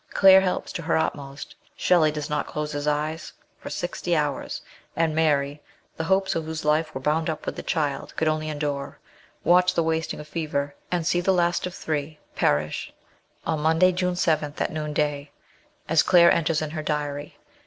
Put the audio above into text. Claire helps to her utmost ; Shelley does not close his eyes for sixty hours, and Mary, the hopes of whose life were bound up with the child, could only endure, watch the wasting of fever, and see the last of three perish on " Monday, June 7th, at noonday," as Claire enters in her diary.